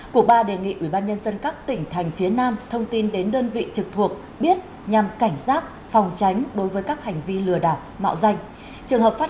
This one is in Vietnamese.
cuba đề nghị ubnd các tỉnh thành phía nam thông tin đến đơn vị trực thuộc biết nhằm cảnh giác phòng tránh đối với các hành vi lừa đảo mạo danh